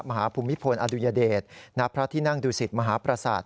มหาภูมิพลอดุญเดชนาพระที่นั่งดูสิทธิ์มหาประศาสตร์